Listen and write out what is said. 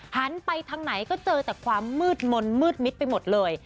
หันไปทางไหนก็เจอแต่ความมืดมนต์มืดมิดไปหมดเลย